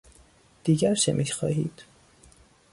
دیگر چه میخواهید؟